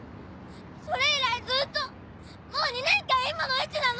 それ以来ずっともう２年間今の位置なの！